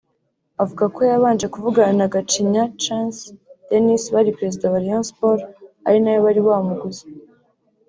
avuga ko yabanje kuvugana na Gacinya Chance Denis wari Perezida wa Rayon Sports ari nawe wari wamuguze